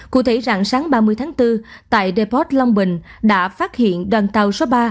cụ thể rạng sáng ba mươi tháng bốn tại deport long bình đã phát hiện đoàn tàu số ba